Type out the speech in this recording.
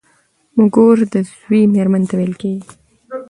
مږور د زوی مېرمني ته ويل کيږي.